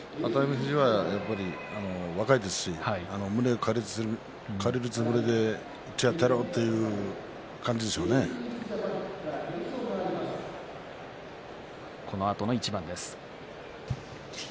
富士はやっぱり若いですし胸を借りるつもりでいっちょやったろうこのあとの一番です。